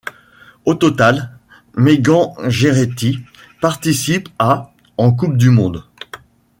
Au total, Megan Gerety participe à en Coupe du monde.